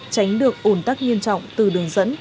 tránh được ủn tắc nghiêm trọng từ đường dẫn